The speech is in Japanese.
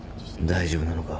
大丈夫なのか？